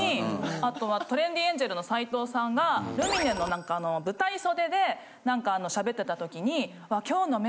あとはトレンディエンジェルの斎藤さんがルミネの何かの舞台袖で何か喋っていたときに。